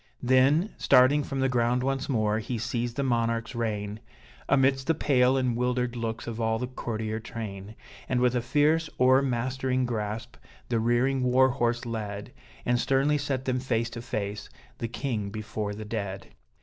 Then, starting from the ground once more, he seized the monarch's rein, Amidst the pale and wildered looks of all the courtier train; And with a fierce, o'ermastering grasp, the rearing war horse led, And sternly set them face to face the king before the dead!